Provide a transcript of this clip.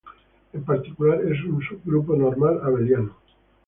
En particular, es un subgrupo normal, abeliano.